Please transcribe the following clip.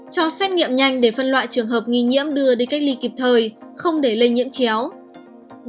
cho xét nghiệm nhanh để phân loại trường hợp nghi nhiễm đưa đi cách ly kịp thời không để lây nhiễm chéo